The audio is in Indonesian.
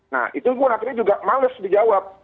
nah itu pun akhirnya juga males dijawab